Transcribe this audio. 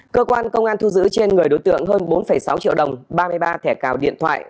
cơ quan công an thu giữ trên người đối tượng hơn bốn sáu triệu đồng ba mươi ba thẻ cào điện thoại